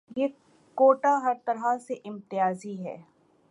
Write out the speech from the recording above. یہ کوٹہ ہرطرح سے امتیازی ہے۔